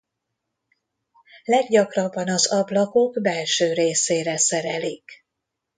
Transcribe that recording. Leggyakrabban az ablakok belső részére szerelik.